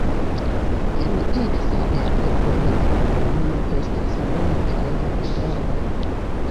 En eksa areo de la komunumo estas multaj riveroj.